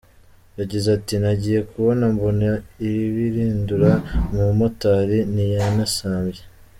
Yagize ati ”Nagiye kubona mbona iribirindura umumotari ntiyanasambye.